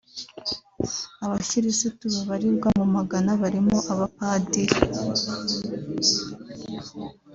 Abakirisitu babarirwa mu magana barimo abapadiri